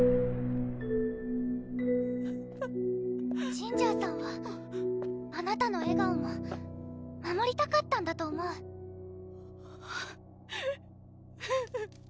・ジンジャーさんはあなたの笑顔も守りたかったんだと思うウゥ